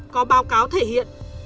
có báo cáo thể hiện